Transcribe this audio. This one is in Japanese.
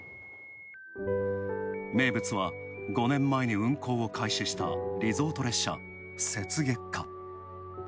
名物は５年前に運行を開始したリゾート列車、雪月花。